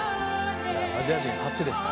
アジア人初ですね。